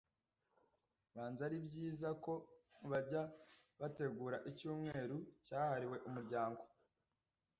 basanze ari byiza ko bajya bategura icyumweru cyahariwe umuryango